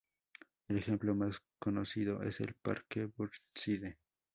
El ejemplo más conocido es el Parque Burnside.